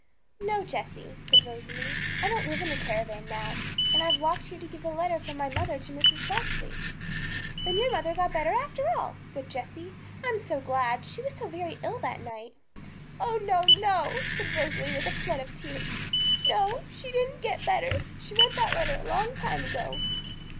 'No, Jessie,' said Rosalie; 'I don't live in a caravan now; and I've walked here to give a letter from my mother to Mrs. Leslie.' 'Then your mother got better after all,' said Jessie. 'I am so glad! she was so very ill that night.' 'Oh no, no, no!' said Rosalie, with a flood of tears 'no, she didn't get better; she wrote that letter a long time ago.'